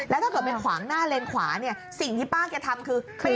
แล้วถ้าเกิดไปขวางหน้าเลนขวาเนี่ยสิ่งที่ป้าแกทำคือ